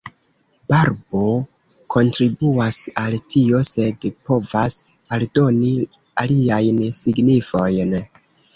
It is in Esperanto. Barbo kontribuas al tio, sed povas aldoni aliajn signifojn.